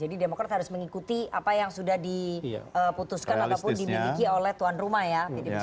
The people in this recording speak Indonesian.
jadi demokrat harus mengikuti apa yang sudah diputuskan ataupun dimiliki oleh tuan rumai ya pdi perjuangan